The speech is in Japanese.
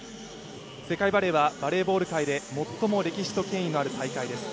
世界バレーはバレーボール界で最も歴史と権威のある大会です。